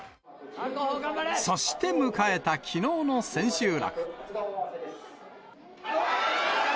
そして迎えたきのうの千秋楽。